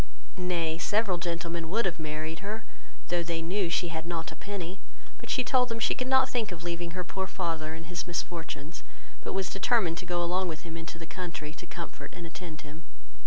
Nay, several gentlemen would have married her, though they knew she had not a penny; but she told them she could not think of leaving her poor father in his misfortunes, but was determined to go along with him into the country to comfort and attend him.